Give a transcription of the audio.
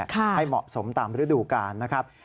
ให้เหมาะสมตามฤดูกาลนะครับ